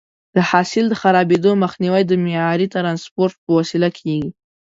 د حاصل د خرابېدو مخنیوی د معیاري ټرانسپورټ په وسیله کېږي.